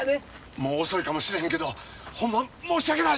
もう遅いかもしれへんけどほんま申し訳ない！